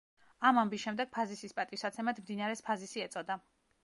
ამ ამბის შემდეგ ფაზისის პატივსაცემად მდინარეს ფაზისი ეწოდა.